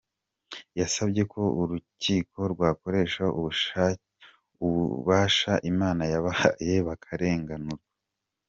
Yasabye ko urukiko rwakoresha ububasha Imana yabahaye bakarenganurwa.